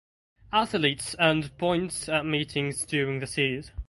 Athletes earned points at meetings during the series.